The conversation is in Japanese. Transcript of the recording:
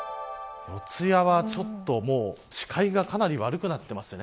四谷は視界がかなり悪くなってますね。